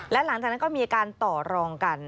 และหลังจากนั้นก็มีการต่อรองกัน